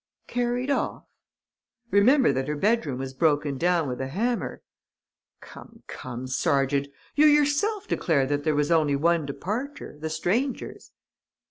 "Carried off?" "Remember that her bedroom was broken down with a hammer." "Come, come, sergeant! You yourself declare that there was only one departure, the stranger's."